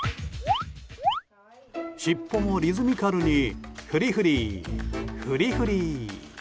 尻尾もリズミカルにフリフリ、フリフリ。